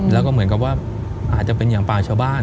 แล้วก็เหมือนกับว่าอาจจะเป็นอย่างป่าชาวบ้าน